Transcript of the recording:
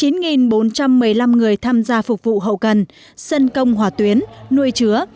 chín bốn trăm một mươi năm người tham gia phục vụ hậu cần sân công hòa tuyến nuôi chứa